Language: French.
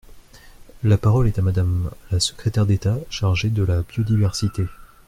La parole est à Madame la secrétaire d’État chargée de la biodiversité.